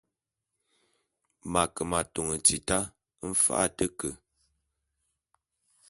M’ake m’atôn tita mfa’a a te ke.